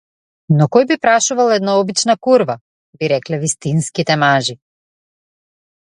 Но кој би прашувал една обична курва, би рекле вистинските мажи.